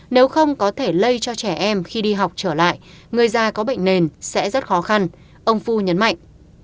nếu không có thể lây cho trẻ em khi đi học trở lại người già có bệnh nền sẽ rất khó khăn ông phu nhấn mạnh